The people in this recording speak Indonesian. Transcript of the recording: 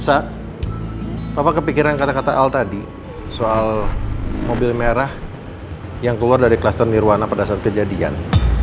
bapak kepikiran kata kata al tadi soal mobil merah yang keluar dari kluster nirwana pada saat kejadian